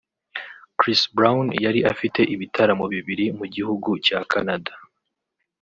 Chris Brown yari afite ibitaramo bibiri mu gihugu cya Canada